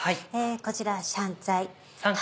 こちら香菜。